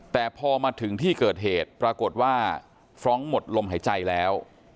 แต่พอมาถึงที่เกิดเหตุปรากฏว่าฟรองก์หมดลมหายใจแล้ว